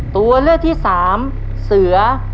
ตัวเลือกที่สามเสือ